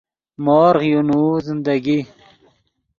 مورغ یو نوؤ زندگی